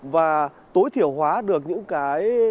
và tối thiểu hóa được những cái